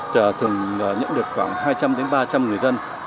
thường nhận được khoảng hai trăm linh đến ba trăm linh người dân